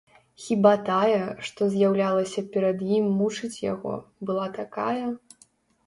Хіба тая, што з'яўлялася перад ім мучыць яго, была такая?